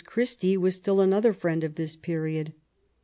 Christie was still another friend of this period.